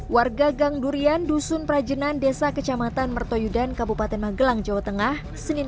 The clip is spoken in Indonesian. warga gang durian dusun prajenan desa kecamatan mertoyudan kabupaten magelang jawa tengah senin